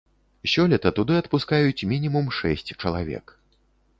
Сёлета туды адпускаюць мінімум шэсць чалавек.